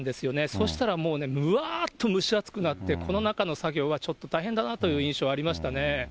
そしたらもうね、むわーっと蒸し暑くなって、この中の作業はちょっと大変だなという印象はありましたね。